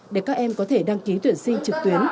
để các em có thể đăng ký tuyển sinh trực tuyến